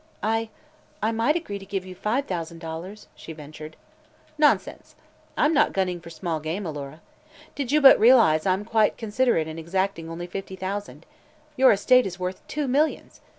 "I I might agree to give you five thousand dollars," she ventured. "Nonsense. I'm not gunning for small game, Alora. Did you but realize it, I am quite considerate in exacting only fifty thousand. Your estate is worth two millions.